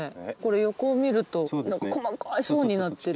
横を見ると細かい層になってる。